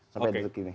sampai detik ini